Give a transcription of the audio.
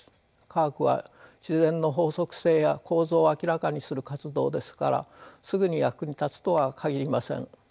科学は自然の法則性や構造を明らかにする活動ですからすぐに役に立つとは限りません。